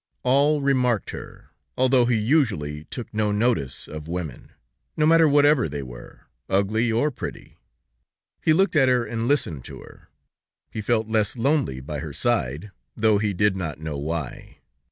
All remarked her, although he usually took no notice of women, no matter whatever they were, ugly or pretty; he looked at her and listened to her. He felt less lonely by her side, though he did not know why.